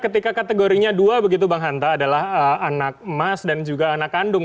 ketika kategorinya dua begitu bang hanta adalah anak emas dan juga anak kandung